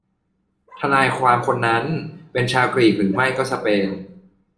ทนายความคนนั้นเป็นชาวกรีกหรือไม่ก็สเปน